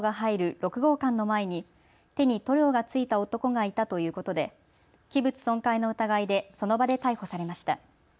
６号館の前に手に塗料がついた男がいたということで器物損壊の疑いでその場で逮捕されました。